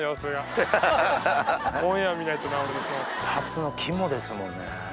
初の肝ですもんね。